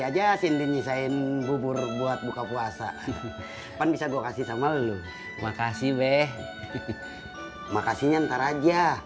aja sindin nyeselin bubur buat buka puasa kan bisa gua kasih sama lu makasih be makasihnya ntar aja